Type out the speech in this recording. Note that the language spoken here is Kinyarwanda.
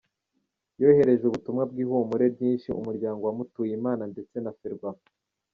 Yohereje ubutumwa bw’ihumure ryinshi umuryango wa Mutuyimana ndetse na Ferwafa.